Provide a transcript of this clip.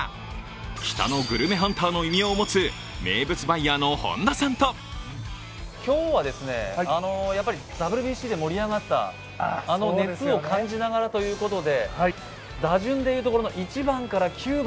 北のグルメハンターの異名を持つ名物バイヤーの本田さんと今日はやっぱりＷＢＣで盛り上がった、あの熱を感じながらということで。